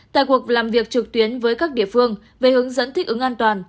tại cuộc làm việc trực tuyến với các địa phương về hướng dẫn thích ứng an toàn